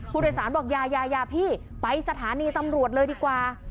ผู้โดยสารบอกยายาพี่ไปสถานีตำรวจเลยดีกว่า